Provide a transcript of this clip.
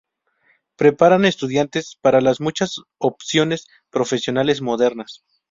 Preparan estudiantes para las muchas opciones profesionales modernas.